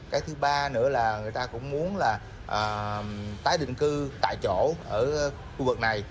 cái thứ ba nữa là người ta cũng muốn là tái định cư tại chỗ ở khu vực này